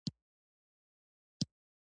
د سفر نه مخکې د روغتیا بیمه وکړه.